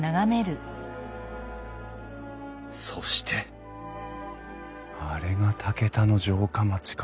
そしてあれが竹田の城下町か。